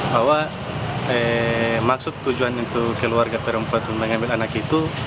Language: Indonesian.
bahwa maksud tujuan keluarga perempuan itu mengambil bayi itu